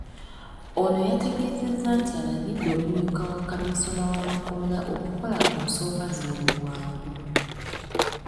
Ono yategeeezezza nti alagidde omumyuka wa Kamisona w'amakomera okukola ku nsonga zino mu bwangu..